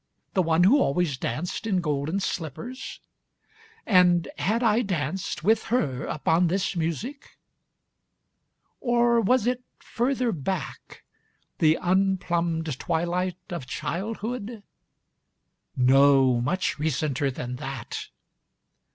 The one who always danced in golden slippers?â And had I danced, with her, upon this music? Or was it further backâthe unplumbed twilight Of childhood? .... Noâmuch recenter than that.